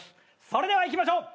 それではいきましょう！